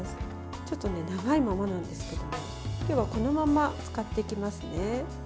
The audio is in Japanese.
ちょっと長いものなんですけど今日はこのまま使っていきますね。